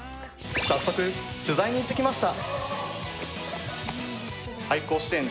早速、取材に行ってきました。